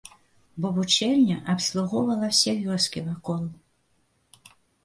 Бо вучэльня абслугоўвала ўсе вёскі вакол.